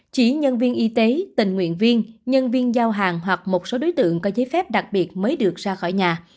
chỉ nhân viên y tế tình nguyện viên nhân viên giao hàng hoặc một số đối tượng có giấy phép đặc biệt mới được ra khỏi nhà